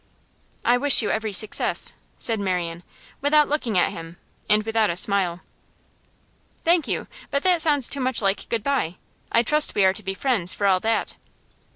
'I wish you every success,' said Marian, without looking at him, and without a smile. 'Thank you. But that sounds too much like good bye. I trust we are to be friends, for all that?